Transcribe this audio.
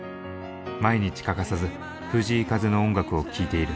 毎日欠かさず藤井風の音楽を聴いている。